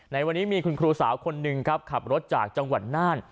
ในวันนี้มีคุณครูสาวคนหนึ่งครับขับรถจากจังหวัดน่าน